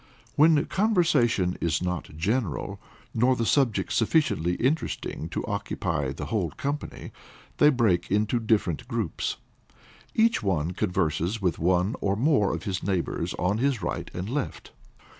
When conversation is not general, nor the subject sufficiently interesting to occupy the whole company, they break up into different groups. Each one converses with one or more of his neighbors on his right and left.